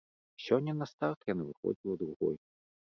Сёння на старт яна выходзіла другой.